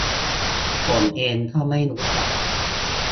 ผมเองก็ไม่รู้จัก